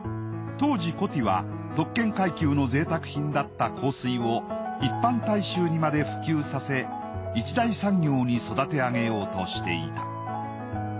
当時コティは特権階級の贅沢品だった香水を一般大衆にまで普及させ一大産業に育て上げようとしていた。